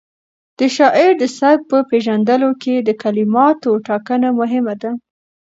د شاعر د سبک په پېژندلو کې د کلماتو ټاکنه مهمه ده.